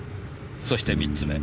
そして３つ目。